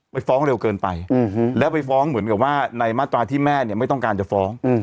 ฟ้องเร็วเกินไปแล้วไปฟ้องเหมือนกับว่าในมาตราที่แม่เนี่ยไม่ต้องการจะฟ้อง